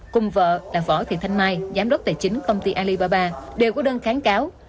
cùng vợ là võ thị thanh mai giám đốc tài chính công ty alibaba đều có đơn kháng cáo